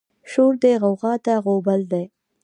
شور دی غوغه ده غوبل دی